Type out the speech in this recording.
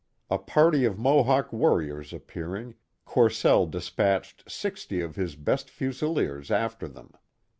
A party of. Mohawk warriors appearing, Courcelle despatched sixty of his best fusileers after them.